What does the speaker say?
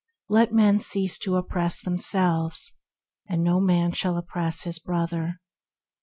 Let men cease to oppress them selves, and no man shall oppress his brother.